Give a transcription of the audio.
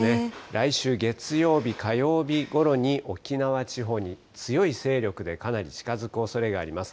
来週月曜日、火曜日ごろに沖縄地方に強い勢力でかなり近づくおそれがあります。